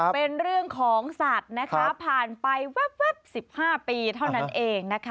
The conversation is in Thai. เป็นเรื่องของสัตว์ผ่านไป๑๕ปีเท่านั้นเอง